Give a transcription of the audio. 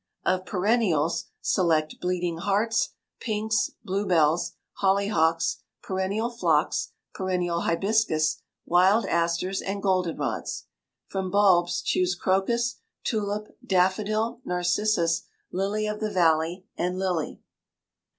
[Illustration: FIG. 107. A WINDOW BOX] Of perennials select bleeding hearts, pinks, bluebells, hollyhocks, perennial phlox, perennial hibiscus, wild asters, and goldenrods. From bulbs choose crocus, tulip, daffodil, narcissus, lily of the valley, and lily.